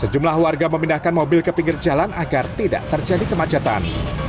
sejumlah warga memindahkan mobil ke pinggir jalan agar tidak terjadi kemacetan